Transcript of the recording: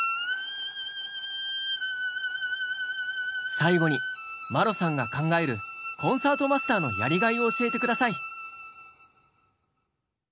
最後にマロさんが考えるコンサートマスターのやりがいを教えてください。